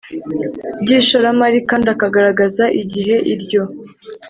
By ishoramari kandi akagaragaza igihe iryo